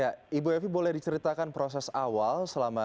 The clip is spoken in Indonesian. ya ibu evi boleh diceritakan proses awal